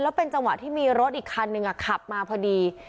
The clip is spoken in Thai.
แล้วเป็นจังหวะที่มีรถอีกคันนึงขับมาพอดี